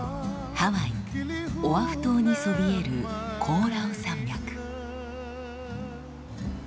ハワイオアフ島にそびえるコオラウ山脈。